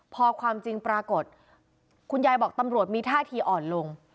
พอความจริงปรากฏคุณยายบอกตำรวจมีท่าทีอ่อนลง